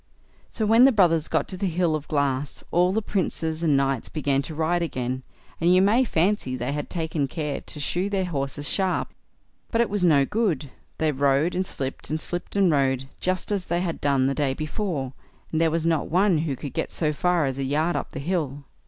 So when the brothers got to the hill of glass, all the princes and knights began to ride again, and you may fancy they had taken care to shoe their horses sharp; but it was no good—they rode and slipped, and slipped and rode, just as they had done the day before, and there was not one who could get so far as a yard up the hill.